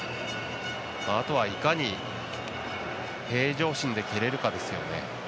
あとは、いかに平常心で蹴れるかですよね。